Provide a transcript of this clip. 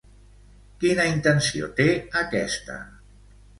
Quina intenció té aquesta?